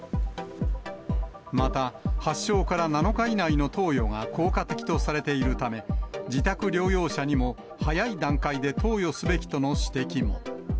また、発症から７日以内の投与が効果的とされているため、自宅療養者にも早い段階で投与すべきとの指摘も。